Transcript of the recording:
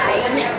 ada yang main